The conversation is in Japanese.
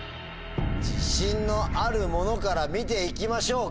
自信のあるものから見て行きましょうか。